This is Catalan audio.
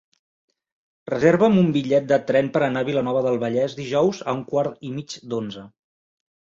Reserva'm un bitllet de tren per anar a Vilanova del Vallès dijous a un quart i mig d'onze.